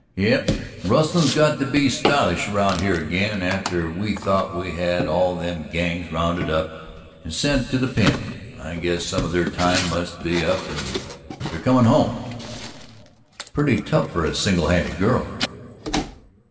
"Yes; rustlin's got to be stylish around here ag'in, after we thought we had all them gangs rounded up and sent to the pen. I guess some of their time must be up and they're comin' home." "It's pretty tough for a single handed girl."